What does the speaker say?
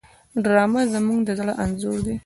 ډرامه زموږ د زړه انځور دی